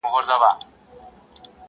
یا مرور دی له تعبیره قسمت؛